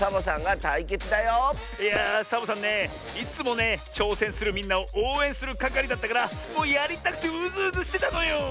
いやサボさんねいつもねちょうせんするみんなをおうえんするかかりだったからもうやりたくてうずうずしてたのよ。